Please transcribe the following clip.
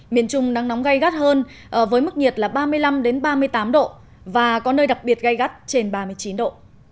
miền trung nắng nóng gai gắt hơn với mức nhiệt là ba mươi năm ba mươi tám độ và có nơi đặc biệt gai gắt trên ba mươi chín độ